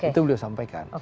itu beliau sampaikan